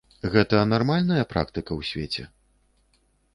Гэта нармальная практыка ў свеце?